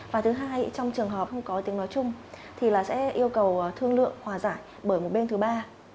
và thứ hai trong trường hợp không có tiếng nói chung thì là sẽ yêu cầu thương lượng hòa giải bởi một bên thứ ba